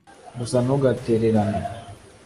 gusa ntugatererane